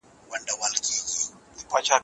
د خپل ژوند لپاره لنډمهالی پلان جوړ کړئ.